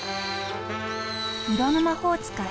色の魔法使い